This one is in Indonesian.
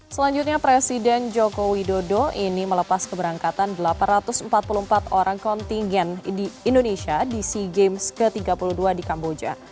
selanjutnya presiden joko widodo ini melepas keberangkatan delapan ratus empat puluh empat orang kontingen di indonesia di sea games ke tiga puluh dua di kamboja